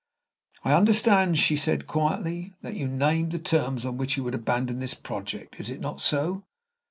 "I understand," said she, quietly, "that you named the terms on which you would abandon this project, is it not so?"